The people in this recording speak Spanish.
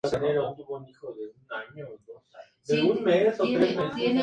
Pepino el ochenta y ocho.